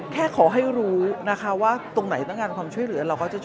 แค่จะขอให้รู้ว่าตรงไหนต้องการความช่วยเหลือกัน